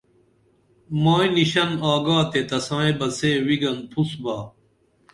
مائی نِشن آگا تے تسائی بہ سے وگن پُھسبا